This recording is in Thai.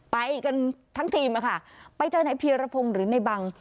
ไปกันทั้งทีมค่ะไปเจอนายเพียรพงศ์หรือในบัง